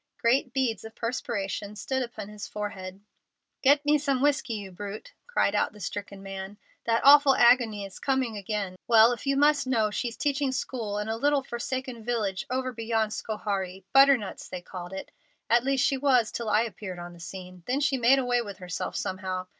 Great beads of perspiration stood upon his forehead. "Get me some whiskey, you brute!" cried out the stricken man. "That awful agony is coming again. Well, if you must know, she's teaching school in a little forsaken village over beyond Schoharie—Butternuts, they call it. At least, she was till I appeared on the scene. Then she made away with herself somehow.